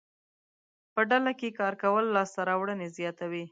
په ډله کې کار کول لاسته راوړنې زیاتوي.